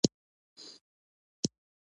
د کښت لپاره مناسب تخمونه د محصول کیفیت لوړوي.